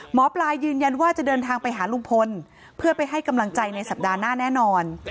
หมอปลายืนยันว่าจะเดินทางไปหาลุงพลเพื่อไปให้กำลังใจในสัปดาห์หน้าแน่นอน